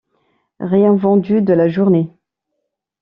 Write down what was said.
Rien vendu de la journée!